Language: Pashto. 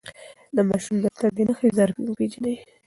د ماشوم د تنده نښې ژر وپېژنئ.